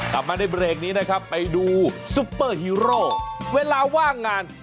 กลับมาในเบรกนี้นะครับไปดูซุปเปอร์ฮีโร่เวลาว่างงาน